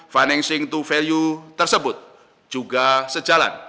financing to value tersebut juga sejalan